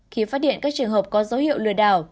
khi phát hiện các trường hợp có dấu hiệu lừa đảo